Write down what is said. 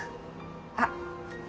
あっ。